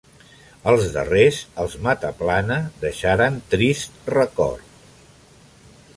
Els darrers, els Mataplana deixaren trist record.